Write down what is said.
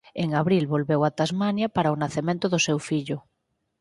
En abril volveu a Tasmania para o nacemento do seu fillo.